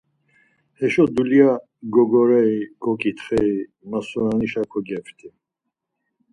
Heşo dulya gogoreri goǩitxeri Marsuanişa kogepti.